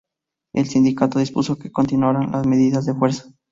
El sindicato dispuso que continuaran las medidas de fuerza.